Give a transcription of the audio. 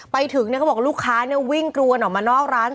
ไปถึงเนี่ยเขาบอกลูกค้าเนี่ยวิ่งกลัวนออกมานอกร้าน